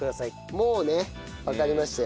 もうねわかりましたよ